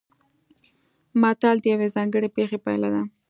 متل د یوې ځانګړې پېښې پایله ده